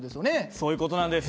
そういう事なんです。